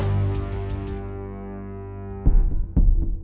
saya yang menang